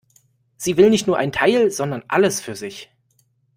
Sie will nicht nur einen Teil, sondern alles für sich.